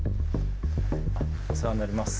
お世話になります。